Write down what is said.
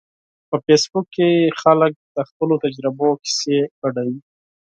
په فېسبوک کې خلک د خپلو تجربو کیسې شریکوي.